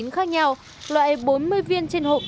khác nhau loại bốn mươi viên trên hộp